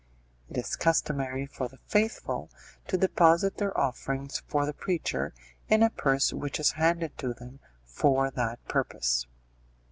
It is customary for the faithful to deposit their offerings for the preacher in a purse which is handed to them for that purpose.